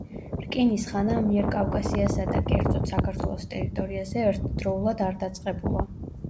რკინის ხანა ამიერკავკასიასა და, კერძოდ, საქართველოს ტერიტორიაზე ერთდროულად არ დაწყებულა.